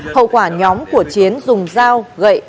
hậu quả nhóm của chiến dùng dao gậy